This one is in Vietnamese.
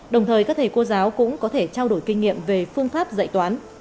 đồng thời các thầy cô giáo cũng có thể trao đổi kinh nghiệm về phương pháp dạy toán